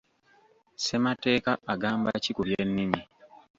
Ssemateeka agamba ki ku by'ennimi?